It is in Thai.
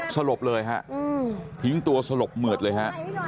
สลบเลยฮะทิ้งตัวสลบเหมือดเลยฮะ